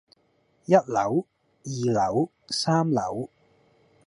一樓，二樓，三樓